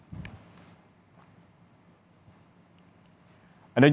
ada juga yang mengatakan